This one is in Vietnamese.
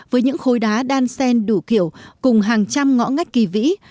với những khối đá đan sen đủ kiểu cùng hàng trăm ngõ ngách kỳ vĩ